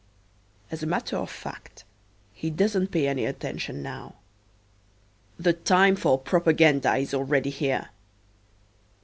As a matter of fact, he doesn't pay any attention now. The time for propaganda is already here.